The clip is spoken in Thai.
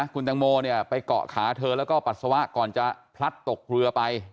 คุณตังโมเนี่ยไปเกาะขาเธอแล้วก็ปัสสาวะก่อนจะพลัดตกเรือไป